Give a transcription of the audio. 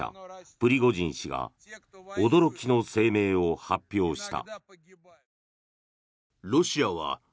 プリゴジン氏が驚きの声明を発表した。